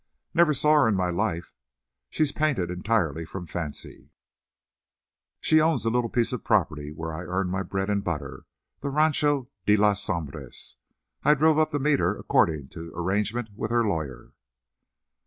"Never saw her in my life. She's painted entirely from fancy. She owns the little piece of property where I earn my bread and butter—the Rancho de las Sombras. I drove up to meet her according to arrangement with her lawyer."